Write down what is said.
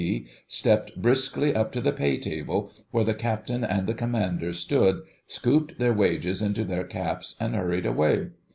P., stepped briskly up to the pay table, where the Captain and the Commander stood, scooped their wages into their caps and hurried away.